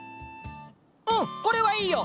うんこれはいいよ。